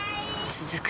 続く